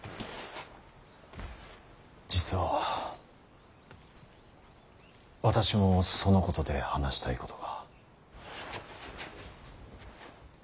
実は私もそのことで話したいことが。